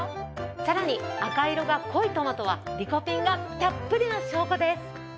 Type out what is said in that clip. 更に赤色が濃いトマトはリコピンがたっぷりの証拠です。